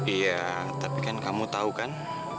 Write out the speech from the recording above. iya tapi kan kamu tahu kan